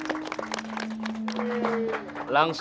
tidak ini sih